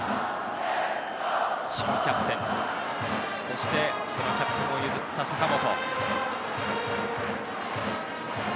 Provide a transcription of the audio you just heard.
新キャプテン、そして、そのキャプテンを譲った坂本。